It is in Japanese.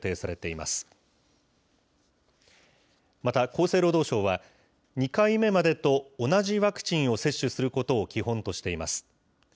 また厚生労働省は、２回目までと同じワクチンを接種することを基本としています。